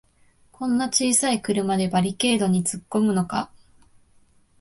こんな小さい車でバリケードにつっこむのか